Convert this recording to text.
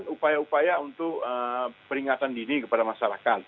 upaya upaya untuk peringatan dini kepada masyarakat